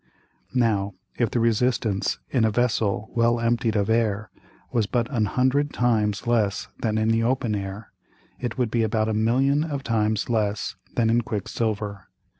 Now if the Resistance in a Vessel well emptied of Air, was but an hundred times less than in the open Air, it would be about a million of times less than in Quick silver.